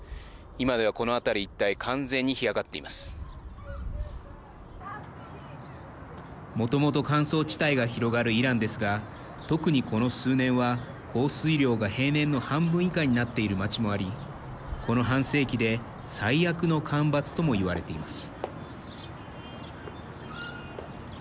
今では、この辺り一帯もともと乾燥地帯が広がるイランですが特に、この数年は降水量が平年の半分以下になっている街もありこの半世紀で最悪の干ばつともいわれています。